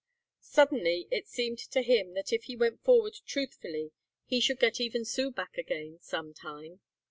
Suddenly it seemed to him that if he went forward truthfully he should get even Sue back again some time.